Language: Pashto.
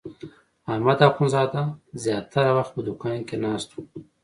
احمد اخوندزاده زیاتره وخت په دوکان کې ناست و.